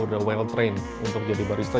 udah well train untuk jadi barista